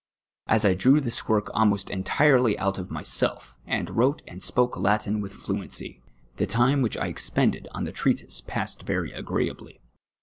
As I drew this work almost entirely out of myself, and wrote and spoke Latin with fluency, the time which I ex])ended on the ti'eatisc passed very agreeably.